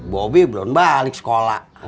bobi belum balik sekolah